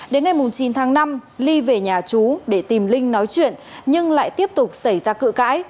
đến ngày chín tháng năm ly về nhà chú để tìm linh nói chuyện nhưng lại tiếp tục xảy ra cự cãi